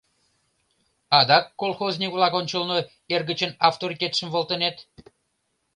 Адак колхозник-влак ончылно эргычын авторитетшым волтынет?!